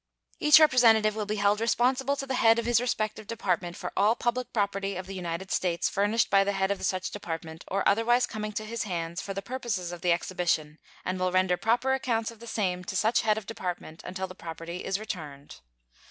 Each representative will be held responsible to the head of his respective Department for all public property of the United States furnished by the head of such Department or otherwise coming to his hands for the purposes of the exhibition, and will render proper accounts of the same to such head of Department until the property is returned.